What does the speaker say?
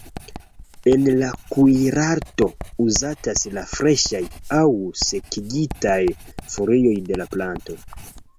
En la kuirarto uzatas la freŝaj aŭ sekigitaj folioj de la planto.